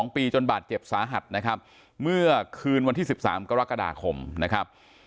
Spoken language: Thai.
๒ปีจนบาดเจ็บสาหัสนะครับเมื่อคืนวันที่๑๓กรกฎาคมนะครับ